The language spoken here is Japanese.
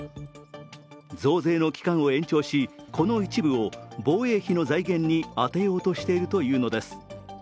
増税の期間を延長しこの一部を防衛費の財源に充てようとしているというのです。